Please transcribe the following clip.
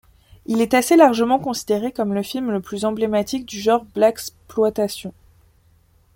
Il est assez largement considéré comme le film le plus emblématique du genre blaxploitation.